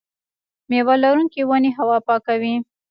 میوه لرونکې ونې هوا پاکوي.